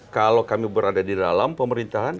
kalau kami berada di dalam pemerintahan